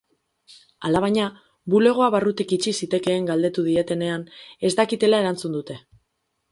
Alabaina, bulegoa barrutik itxi zitekeen galdetu dietenean ez dakitela erantzun dute.